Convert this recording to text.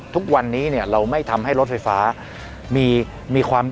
ทุกวันนี้เนี่ยเราไม่ทำให้รถไฟฟ้ามีความ